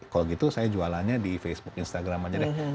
kalau gitu saya jualannya di facebook instagram aja deh